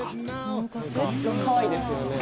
何かかわいいですよね